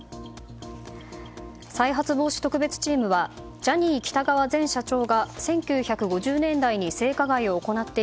再発防止特別チームはジャニー喜多川前社長が１９５０年代に性加害を行って